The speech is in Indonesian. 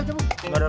ini cabut dia wak